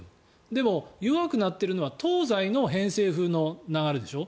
でも、弱くなっているのは東西の偏西風の流れでしょ。